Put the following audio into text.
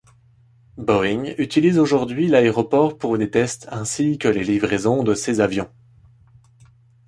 Boeing utilise aujourd'hui l'aéroport pour des tests ainsi que les livraisons de ses avions.